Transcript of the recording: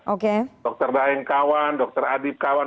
oke dr daeng kawan dr adib kawan